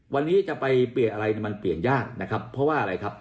วันนี้จะไปเปลี่ยนอะไรมันเปลี่ยนยากนะครับเพราะว่าอะไรครับ